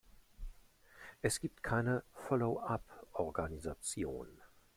Es gibt keine Follow-up-Organisation.